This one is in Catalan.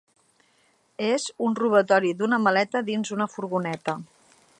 És un robatori d’una maleta dins una furgoneta.